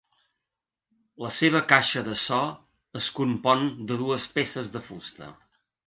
La seva caixa de so es compon de dues peces de fusta.